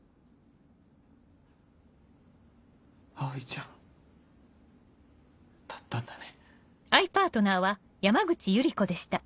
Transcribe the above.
葵ちゃんだったんだね。